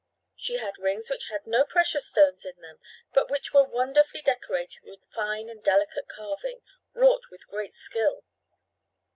She had rings which had no precious stones in them, but which were wonderfully decorated with fine and delicate carving, wrought with great skill.